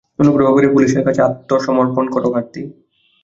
অনুগ্রহ করে পুলিশের কাছে আত্মসমর্পণ করো কার্তিক!